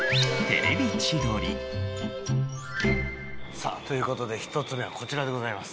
さあという事で１つ目はこちらでございます。